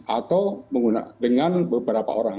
atau dengan beberapa orang